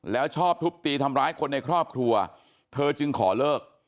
แล้วชอบทุบตีทำร้ายคนในครอบครัวเธอจึงขอเลิก